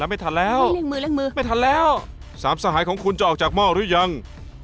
ไม่ทันแล้วไม่ทันแล้วสามสาหายของคุณจะออกจากหม้อหรือยัง